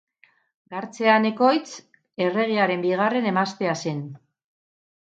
Gartzea Enekoitz erregearen bigarren emaztea zen.